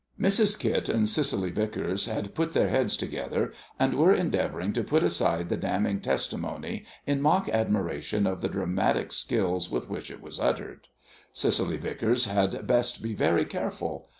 Mrs. Kit and Cicely Vicars had put their heads together, and were endeavouring to put aside the damning testimony in mock admiration of the dramatic skill with which it was uttered. Cicely Vicars had best be very careful.